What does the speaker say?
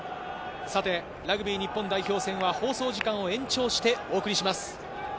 ラグビー日本代表戦は放送時間を延長してお送りします。